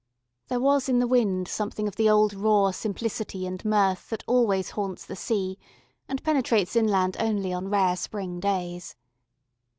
There was in the wind something of the old raw simplicity and mirth that always haunts the sea, and penetrates inland only on rare spring days.